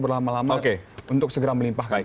berlama lama untuk segera melimpahkan